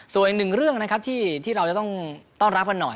ส่วนอีกหนึ่งเรื่องนะครับที่เราจะต้องต้อนรับกันหน่อย